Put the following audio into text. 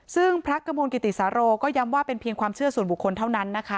ซึ่งพระกระมวลกิติสาโรก็ย้ำว่าเป็นเพียงความเชื่อส่วนบุคคลเท่านั้นนะคะ